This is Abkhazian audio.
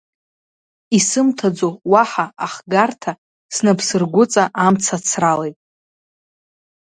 Исымҭаӡо уаҳа ахгарҭа, снапсыргәыҵа амца ацралеит.